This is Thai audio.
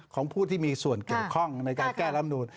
ของผู้ที่มีส่วนเกี่ยวข้องในการแก้ลำนูน